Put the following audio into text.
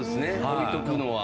置いとくのは。